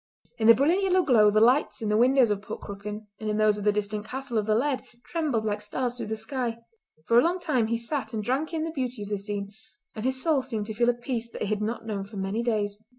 In the brilliant yellow glow the lights in the windows of Port Crooken and in those of the distant castle of the laird trembled like stars through the sky. For a long time he sat and drank in the beauty of the scene, and his soul seemed to feel a peace that it had not known for many days.